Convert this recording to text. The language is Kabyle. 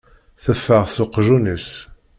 Teffeɣ s uqjun-is.